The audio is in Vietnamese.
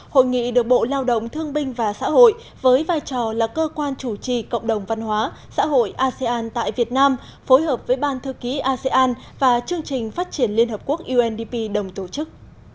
hội nghị được bộ lao động thương binh và xã hội với vai trò là cơ quan chủ trì cộng đồng văn hóa xã hội asean tại việt nam phối hợp với ban thư ký asean và chương trình phát triển liên hợp quốc undp đồng tổ chức